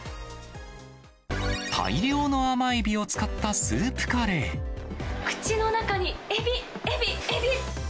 大量の甘エビを使ったスープ口の中にエビ、エビ、エビ。